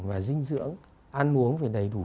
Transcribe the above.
và dinh dưỡng ăn uống phải đầy đủ